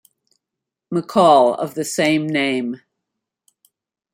McCall of the same name.